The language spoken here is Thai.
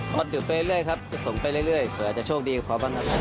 ตอนเดี๋ยวไปเรื่อยครับจะส่งไปเรื่อยเผื่อจะโชคดีกว่าพอบ้างนะ